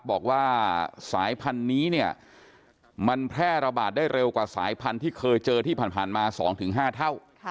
บอกว่าสายพันธุ์นี้เนี่ยมันแพร่ระบาดได้เร็วกว่าสายพันธุ์ที่เคยเจอที่ผ่านมา๒๕เท่า